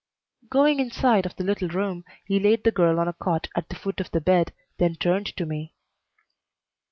Going inside of the little room, he laid the girl on a cot at the foot of the bed, then turned to me.